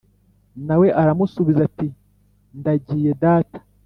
na we aramusubiza ati ‘Ndagiye data’